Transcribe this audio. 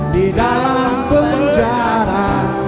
di dalam penjara